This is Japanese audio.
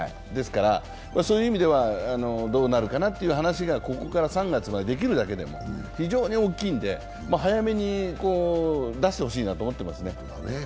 そういう意味ではどうなるかなという話がここから３月までできるのも非常に大きいので、早めに出してほしいなと思っていますね。